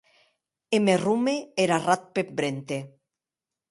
E me rome er arrat peth vrente.